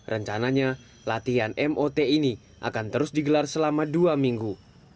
rencananya latihan mot ini akan terus digelar selama dua minggu